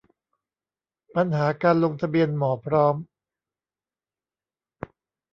ปัญหาการลงทะเบียนหมอพร้อม